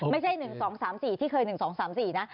ไม่ใช่๑๒๓๔ที่เคย๑๒๓๔นะ